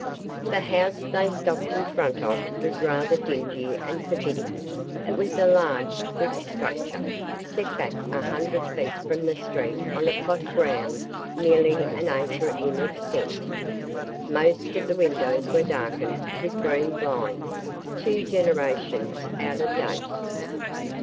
The house they stopped in front of was rather dingy and forbidding. It was a large brick structure, set back a hundred feet from the street on a plot of ground nearly an acre in extent. Most of the windows were darkened with green blinds two generations out of date.